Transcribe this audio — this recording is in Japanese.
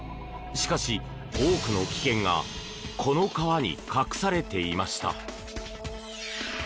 しかし、多くの危険がこの川に隠されていました。